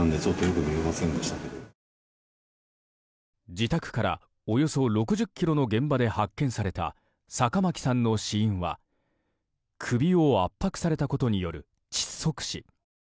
自宅からおよそ６０ｋｍの現場で発見された坂巻さんの死因は、首を圧迫されたことによる窒息死。